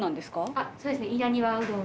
あっそうですね。